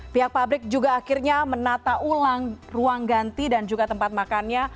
pihak pabrik juga akhirnya menata ulang ruang ganti dan juga tempat makannya